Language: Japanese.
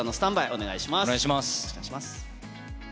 お願いします。